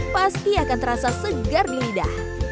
pasti akan terasa segar di lidah